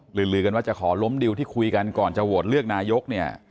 ลือลือกันว่าจะขอล้มดิวที่คุยกันก่อนจะโหวตเลือกนายกเนี่ย